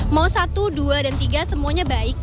mau satu dua dan tiga semuanya baik